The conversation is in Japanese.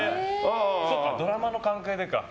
そっか、ドラマの関係でか。